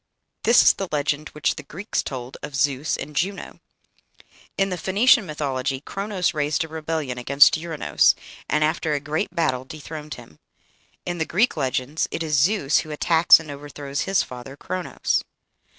This is the legend which the Greeks told of Zeus and Juno. In the Phoenician mythology Chronos raised a rebellion against Ouranos, and, after a great battle, dethroned him. In the Greek legends it is Zeus who attacks and overthrows his father, Chronos.